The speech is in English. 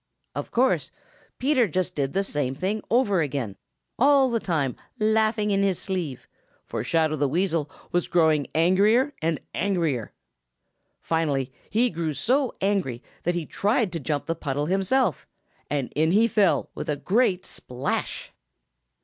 Of course, Peter just did the same thing over again, all the time laugh ing in his sleeve, for Shadow the Weasel was growing angrier and angrier. Finally he grew so angry that he tried to jump the puddle himself, and in he fell with a great splash!